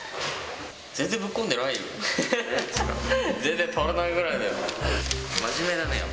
全然ぶっこんでないよ。